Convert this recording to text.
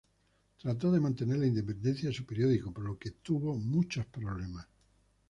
Trató de mantener la independencia de su periódico, por lo que tuvo muchos problemas.